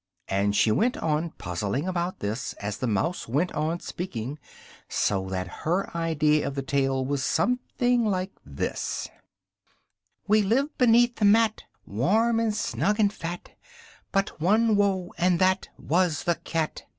and she went on puzzling about this as the mouse went on speaking, so that her idea of the tale was something like this: We lived beneath the mat Warm and snug and fat But one woe, & that Was the cat!